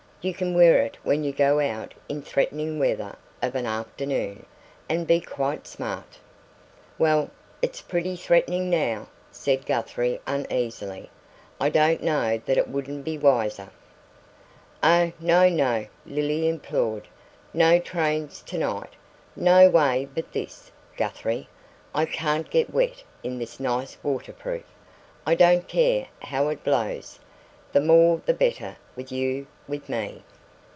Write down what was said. You can wear it when you go out in threatening weather of an afternoon, and be quite smart." "Well, it's pretty threatening now," said Guthrie uneasily. "I don't know that it wouldn't be wiser " "Oh, no, no!" Lily implored. "No trains tonight! No way but this, Guthrie. I can't get wet in this nice waterproof. I don't care how it blows the more the better with you with me."